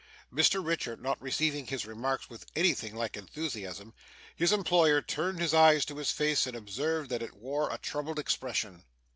Mr Richard not receiving his remarks with anything like enthusiasm, his employer turned his eyes to his face, and observed that it wore a troubled expression.